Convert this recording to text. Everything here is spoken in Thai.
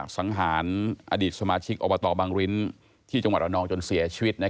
สังหารอดีตสมาชิกอบตบังริ้นที่จังหวัดระนองจนเสียชีวิต